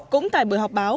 cũng tại bữa họp báo